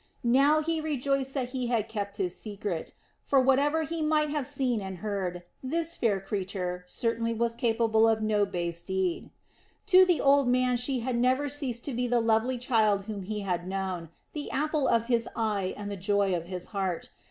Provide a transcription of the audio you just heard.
Now he rejoiced that he had kept silence; for whatever he might have seen and heard, this fair creature certainly was capable of no base deed. To the old man she had never ceased to be the lovely child whom he had known, the apple of his eye and the joy of his heart.